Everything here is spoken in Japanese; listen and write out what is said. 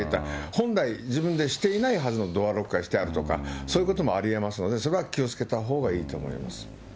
本来自分でしていないはずのドアロックがしてあるとか、そういうこともありえますので、それは気を付けたほうがいいと思います。